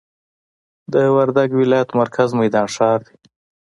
د وردګ ولایت مرکز میدان ښار دی